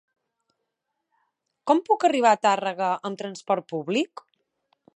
Com puc arribar a Tàrrega amb trasport públic?